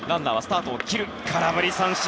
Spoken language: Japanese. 空振り三振。